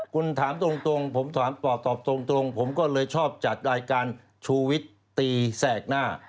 คุณถามตรงผมตอบตรงผมก็เลยชอบจัดรายการชูวิตตีแสกหน้า